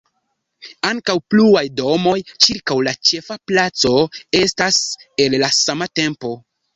Ankaŭ pluaj domoj ĉirkaŭ la ĉefa placo estas el la sama tempo.